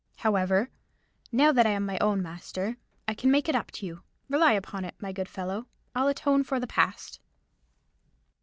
However, now that I am my own master, I can make it up to you. Rely upon it, my good fellow, I'll atone for the past."